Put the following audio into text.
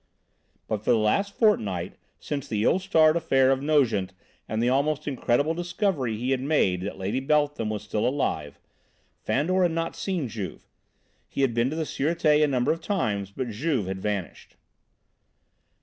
But for the last fortnight, since the ill starred affair of Nogent and the almost incredible discovery he had made that Lady Beltham was still alive, Fandor had not seen Juve. He had been to the Sûreté a number of times, but Juve had vanished.